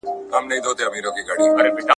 د بوديجي مسوده څوک جوړوي؟